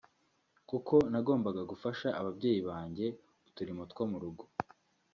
kuko nagombaga gufasha ababyeyi banjye uturimo two murugo